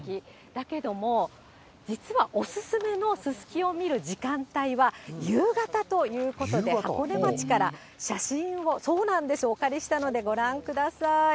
だけども、実はお勧めのすすきを見る時間帯は、夕方ということで、箱根町から写真をお借りしたので、ご覧ください。